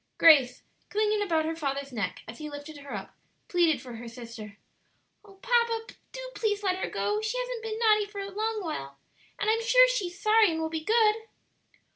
Grace, clinging about her father's neck as he lifted her up, pleaded for her sister. "Oh, papa, do please let her go; she hasn't been naughty for a long while, and I'm sure she's sorry and will be good."